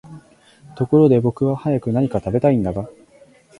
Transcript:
ところで僕は早く何か喰べたいんだが、